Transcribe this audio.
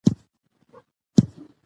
په افغانستان کې زمرد شتون لري.